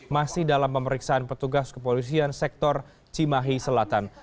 masih dalam pemeriksaan petugas kepolisian sektor cimahi selatan